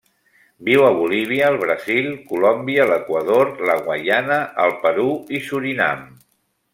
Viu a Bolívia, el Brasil, Colòmbia, l'Equador, la Guaiana, el Perú i Surinam.